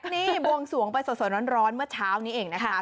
นี่บวงสวงไปสดร้อนเมื่อเช้านี้เองนะคะ